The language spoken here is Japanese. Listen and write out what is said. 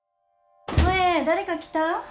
萌誰か来た？